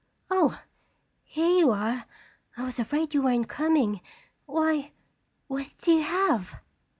"Oh, here you are! I was afraid you weren't coming. Why, what do you have?"